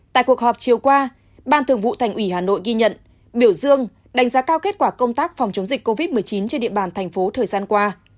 tại cuộc họp chiều qua ban thường vụ thành ủy hà nội ghi nhận biểu dương đánh giá cao kết quả công tác phòng chống dịch covid một mươi chín trên địa bàn thành phố thời gian qua